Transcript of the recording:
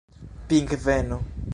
pingveno